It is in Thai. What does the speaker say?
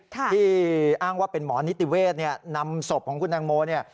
ที่อ้างว่าเป็นหมอนิติเวศนำศพของคุณแตงโมเนี่ย